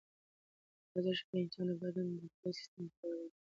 ورزش د انسان د بدن دفاعي سیستم پیاوړی کوي.